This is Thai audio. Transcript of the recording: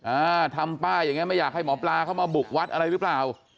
อ่าทำป้ายอย่างเงี้ไม่อยากให้หมอปลาเข้ามาบุกวัดอะไรหรือเปล่า